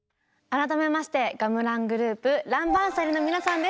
改めましてガムラングループランバンサリの皆さんです。